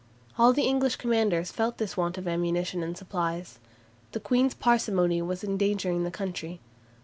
All the English commanders felt this want of ammunition and supplies. The Queen's parsimony was endangering the country.